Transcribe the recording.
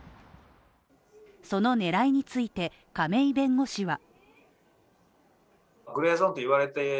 その狙いについて、亀井弁護士は。